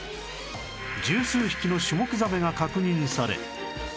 十数匹のシュモクザメが確認され